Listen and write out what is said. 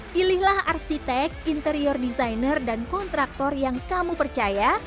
pilihlah arsitek interior designer dan kontraktor yang kamu percaya